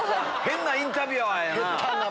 変なインタビュアーやな。